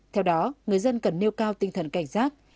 theo đó người dân cần nêu cao tinh thần cảnh giác